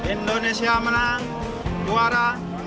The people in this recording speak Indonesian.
indonesia semoga menang juara